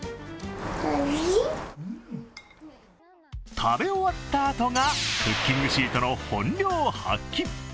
食べ終わったあとが、クッキングシートの本領発揮。